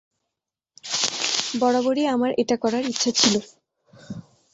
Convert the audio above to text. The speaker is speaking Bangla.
বরাবরই আমার এটা করার ইচ্ছা ছিল।